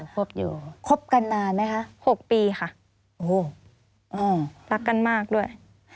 คบอยู่คบกันนานไหมคะ๖ปีค่ะโอ้โหรักกันมากด้วย